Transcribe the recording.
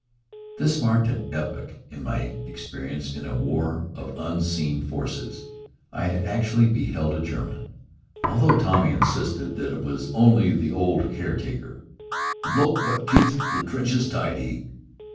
This marked an epoch in my experience in a war of unseen forces. I had actually beheld a German, although Tommy insisted that it was only the old caretaker, "the bloke wot keeps the trenches tidy."